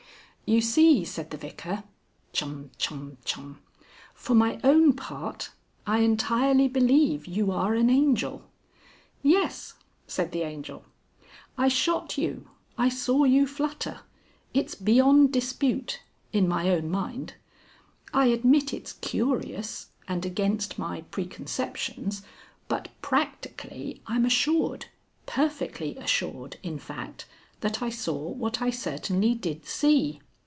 _ "You see," said the Vicar (Chum, chum, chum). "For my own part I entirely believe you are an angel." "Yes!" said the Angel. "I shot you I saw you flutter. It's beyond dispute. In my own mind. I admit it's curious and against my preconceptions, but practically I'm assured, perfectly assured in fact, that I saw what I certainly did see.